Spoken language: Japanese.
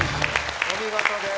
お見事です。